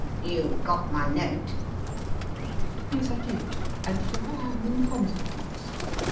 " You got my note ?"" Yes, I did ; and here I am in consequence."